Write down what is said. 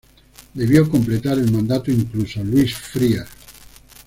Debió completar el mandato inconcluso Luis Frías.